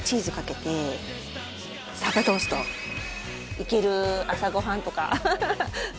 いける朝ごはんとか。